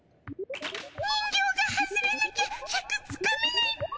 人形が外れなきゃシャクつかめないっピ。